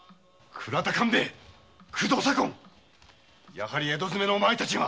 やはり江戸詰めのお前たちが！